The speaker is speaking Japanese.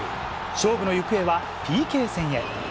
勝負の行方はＰＫ戦へ。